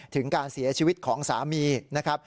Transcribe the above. ถึงการเสียชีวิตของสามีนะครับ